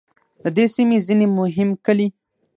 د دې سیمې ځینې مهم کلي